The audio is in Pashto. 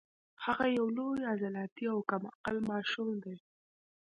هغه یو لوی عضلاتي او کم عقل ماشوم دی